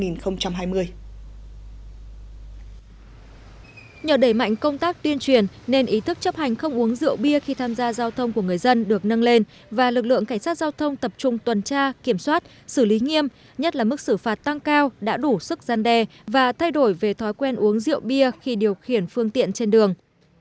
nhờ đẩy mạnh công tác tiên truyền nên ý thức chấp hành không uống rượu bia khi tham gia giao thông của người dân được nâng lên và lực lượng cảnh sát giao thông tập trung tuần tra kiểm soát xử lý nghiêm nhất là mức xử phạt tăng cao đã đủ sức gian đe và thay đổi về thói quen uống rượu bia khi điều khiển phương tiện trên đường